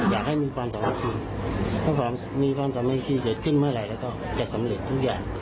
ถ้ามีความสามารถในการเริ่มขึ้นเมื่อไหร่จะสำเร็จทุกอย่าง